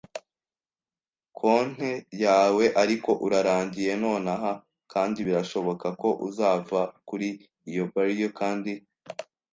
konte yawe; ariko urarangiye nonaha, kandi birashoboka ko uzava kuri iyo barriel kandi